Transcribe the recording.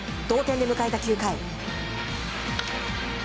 同点で迎えた９回。